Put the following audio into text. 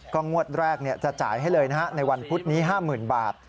งวดแรกจะจ่ายให้เลยนะฮะในวันพุธนี้๕๐๐๐บาท